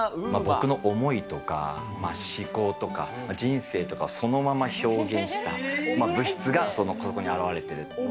僕の思いとか、思考とか、人生とか、そのまま表現した物質が、ここに現れてる。